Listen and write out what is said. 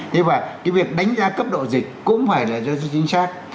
thế và cái việc đánh giá cấp độ dịch cũng phải là do chính xác